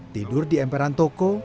tidur di emperan toko